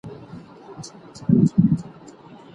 زده کوونکي د لیکلو لپاره مناسب چاپیریال ته اړتیا لري.